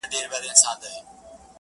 لوستونکي پرې ژور فکر کوي تل,